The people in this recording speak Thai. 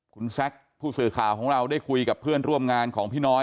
คุณแซคผู้สื่อข่าวของเราได้คุยกับเพื่อนร่วมงานของพี่น้อย